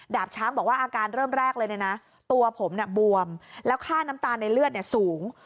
ช้างบอกว่าอาการเริ่มแรกเลยเนี่ยนะตัวผมบวมแล้วค่าน้ำตาลในเลือดสูง